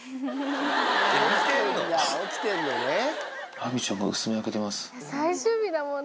ラミちゃんが薄目あけてます。